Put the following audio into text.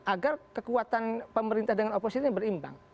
agar kekuatan pemerintah dengan oposisi ini berimbang